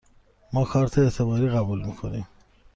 ما کارت اعتباری قبول می کنیم.